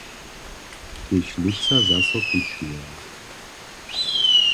Tež lětsa zaso pućujemy.